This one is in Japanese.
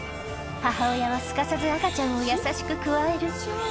母親はすかさず赤ちゃんを優しくくわえる。